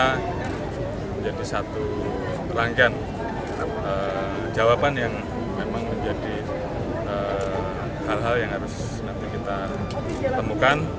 karena menjadi satu rangkaian jawaban yang memang menjadi hal hal yang harus nanti kita temukan